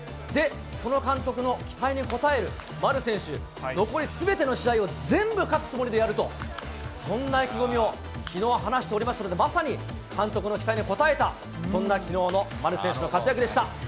その監督の期待に応える丸選手、残りすべての試合を全部勝つつもりでやると、そんな意気込みをきのう話しておりましたけど、まさに監督の期待に応えた、そんなきのうの丸選手の活躍でした。